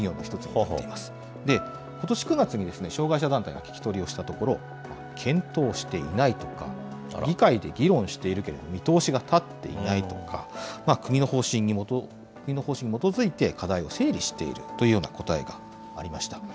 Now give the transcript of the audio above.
ことし９月に障害者団体が聞き取りをしたところ、検討していないとか、議会で議論しているけれども、見通しが立っていないとか、国の方針に基づいて課題を整理しているというような答えがありました。